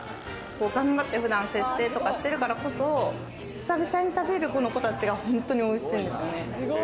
頑張って普段節制とかしてるからこそ、久々に食べるこの子たちが本当においしいですね。